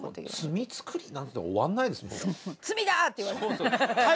「罪つくり」なんて終わんないですよ。